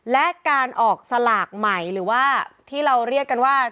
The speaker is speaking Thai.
และการออกสลากใหม่หรือว่าที่เราเรียกกันว่า